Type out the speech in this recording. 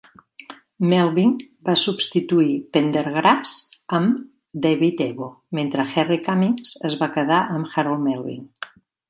Melvin va substituir Pendergrass amb David Ebo mentre Jerry Cummings es va quedar amb Harold Melvin.